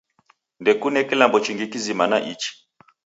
Ndekuna kilambo chingi kizima na ichi